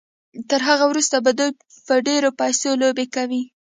تر هغه وروسته به دوی په ډېرو پيسو لوبې کوي.